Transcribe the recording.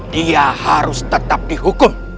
dia harus tetap dihukum